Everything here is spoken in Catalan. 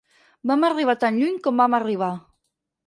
Vam arribar tan lluny com vam arribar.